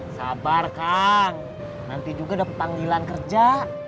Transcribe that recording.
sabar kang nanti juga dapat panggilan kerja